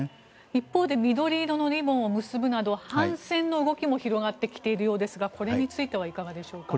一方で緑色のリボンを結ぶなど反戦の動きも広がってきているようですがこれについてはいかがでしょうか。